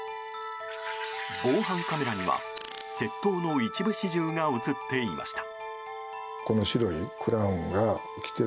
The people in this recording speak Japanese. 防犯カメラには窃盗の一部始終が映っていました。